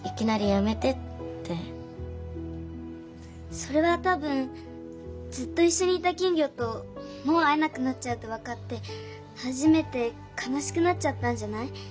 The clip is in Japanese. それはたぶんずっといっしょにいた金魚ともう会えなくなっちゃうってわかってはじめてかなしくなっちゃったんじゃない？